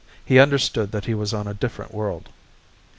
He understood that he was on a different world.